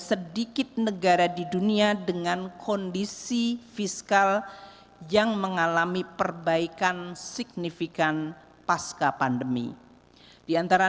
sedikit negara di dunia dengan kondisi fiskal yang mengalami perbaikan signifikan pasca pandemi diantara